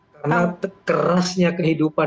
karena kekerasnya kehidupan